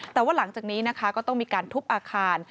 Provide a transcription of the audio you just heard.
แต่ว่าหลังจากนี้นะคะก็ต้องมีการทุบอาคาร